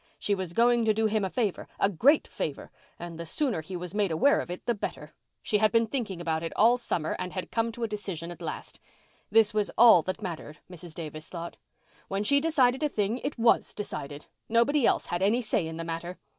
She was going to do him a favour—a great favour—and the sooner he was made aware of it the better. She had been thinking about it all summer and had come to a decision at last. This was all that mattered, Mrs. Davis thought. When she decided a thing it was decided. Nobody else had any say in the matter.